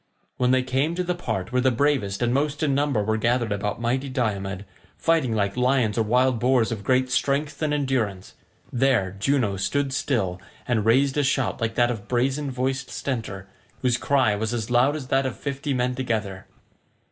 When they came to the part where the bravest and most in number were gathered about mighty Diomed, fighting like lions or wild boars of great strength and endurance, there Juno stood still and raised a shout like that of brazen voiced Stentor, whose cry was as loud as that of fifty men together.